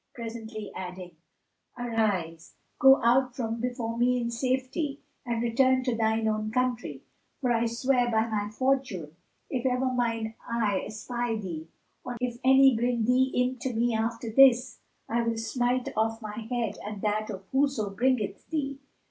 presently adding, "Arise, go out from before me in safety and return to thine own country, for I swear by my fortune, if ever mine eye espy thee or if any bring thee in to me after this, I will smite off thy head and that of whoso bringeth thee!"